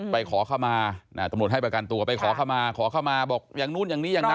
ขอเข้ามาตำรวจให้ประกันตัวไปขอเข้ามาขอเข้ามาบอกอย่างนู้นอย่างนี้อย่างนั้น